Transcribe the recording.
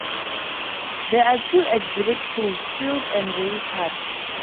There are two exhibit pools: seals and ray touch.